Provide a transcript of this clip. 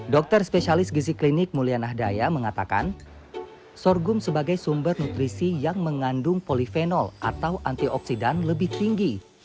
dokter spesialis gizi klinik mulyanah daya mengatakan sorghum sebagai sumber nutrisi yang mengandung polifenol atau antioksidan lebih tinggi